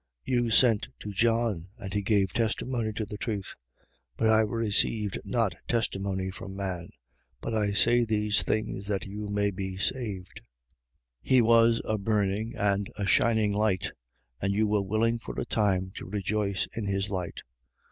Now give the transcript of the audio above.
5:33. You sent to John: and he gave testimony to the truth. 5:34. But I receive not testimony from man: but I say these things, that you may be saved. 5:35. He was a burning and a shining light: and you were willing for a time to rejoice in his light.